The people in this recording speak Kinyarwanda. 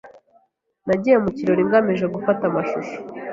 Nagiye mu kirori ngamije gufata amashusho.